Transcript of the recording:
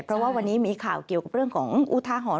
เพราะว่าวันนี้มีข่าวเกี่ยวกับเรื่องของอุทาหรณ์